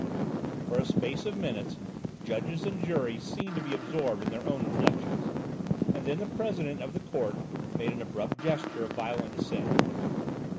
For a space of minutes judges and jury seemed to be absorbed in their own reflections; and then the President of the Court made an abrupt gesture of violent dissent.